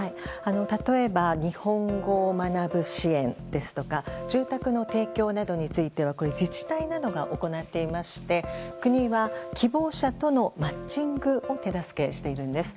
例えば、日本語を学ぶ支援ですとか住宅の提供などについては自治体などが行っていまして国は、希望者とのマッチングを手助けしているんです。